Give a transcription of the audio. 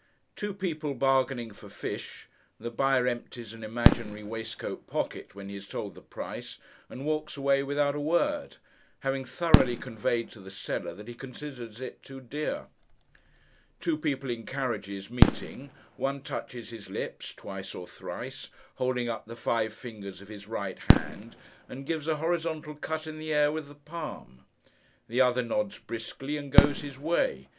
Two people bargaining for fish, the buyer empties an imaginary waistcoat pocket when he is told the price, and walks away without a word: having thoroughly conveyed to the seller that he considers it too dear. Two people in carriages, meeting, one touches his lips, twice or thrice, holding up the five fingers of his right hand, and gives a horizontal cut in the air with the palm. The other nods briskly, and goes his way.